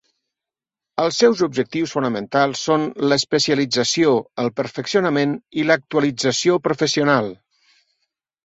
Els seus objectius fonamentals són l'especialització, el perfeccionament i l'actualització professional.